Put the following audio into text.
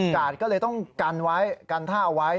กาดก็เลยต้องกันไว้กันท่าเอาไว้